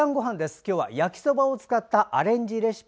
今日は焼きそばを使ったアレンジレシピ。